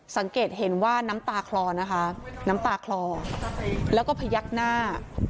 สังเกตเห็นว่าน้ำตาคลอนะคะน้ำตาคลอแล้วก็พยักหน้า